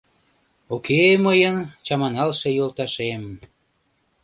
Уке мыйын чаманалше йолташем.